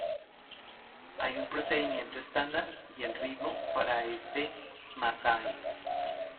Hay un procedimiento estándar y el ritmo para este masaje.